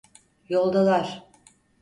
Yoldalar…